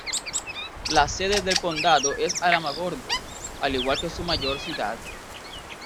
La sede del condado es Alamogordo, al igual que su mayor ciudad.